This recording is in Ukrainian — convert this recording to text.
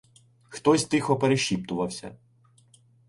Хтось тихо перешіптувався.